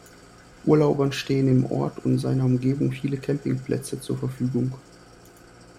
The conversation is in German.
Urlaubern stehen im Ort und seiner Umgebung viele Campingplätze zur Verfügung.